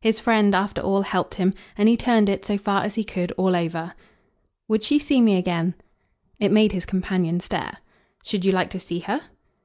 His friend, after all, helped him, and he turned it, so far as he could, all over. "Would she see me again?" It made his companion stare. "Should you like to see her?"